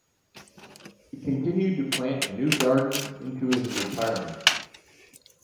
He continued to plant a new garden into his retirement.